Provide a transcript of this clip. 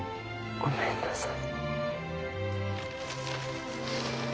ごめんなさい。